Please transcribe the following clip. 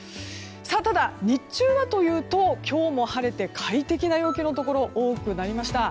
ただ、日中はというと今日も晴れて快適な陽気のところが多くなりました。